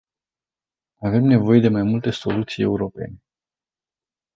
Avem nevoie de mai multe soluții europene.